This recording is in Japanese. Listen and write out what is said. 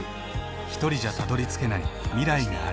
ひとりじゃたどりつけない未来がある。